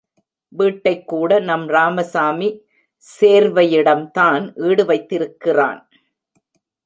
வீட்டைக்கூட நம் ராமசாமி சேர்வையிடம்தான் ஈடு வைத்திருக்கிருன்.